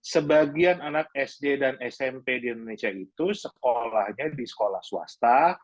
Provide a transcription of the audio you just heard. sebagian anak sd dan smp di indonesia itu sekolahnya di sekolah swasta